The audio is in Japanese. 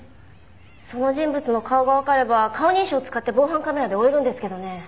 その人物の顔がわかれば顔認証使って防犯カメラで追えるんですけどね。